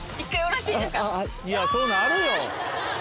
いやそうなるよ！